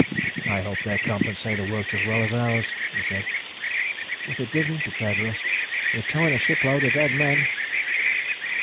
"I hope their compensator worked as well as ours," he said. "If it didn't," declared Russ, "we're towing a shipload of dead men."